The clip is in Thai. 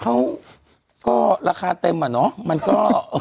เค้าก็ราคาเต็มอะเนาะ